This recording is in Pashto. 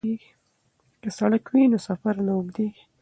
که سړک وي نو سفر نه اوږدیږي.